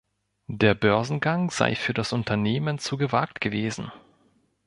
Der Börsengang sei für das Unternehmen zu gewagt gewesen.